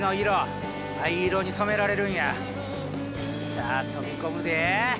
さあ飛び込むで！